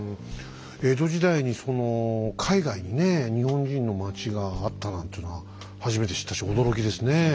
江戸時代にその海外にね日本人の町があったなんていうのは初めて知ったし驚きですね。